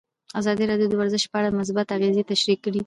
ازادي راډیو د ورزش په اړه مثبت اغېزې تشریح کړي.